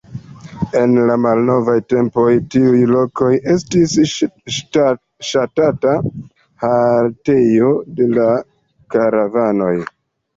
En la malnovaj tempoj tiu loko estis ŝatata haltejo de la karavanoj.